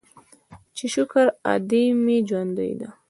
چې شکر ادې مې ژوندۍ ده.